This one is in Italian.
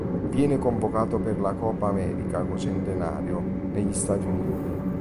Viene convocato per la Copa América Centenario negli Stati Uniti.